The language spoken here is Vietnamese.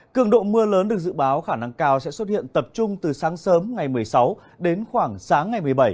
cường độ mưa lớn được dự báo khả năng cao sẽ xuất hiện tập trung từ sáng sớm ngày một mươi sáu đến khoảng sáng ngày một mươi bảy